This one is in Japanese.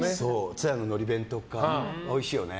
津多屋ののり弁とかおいしいよね。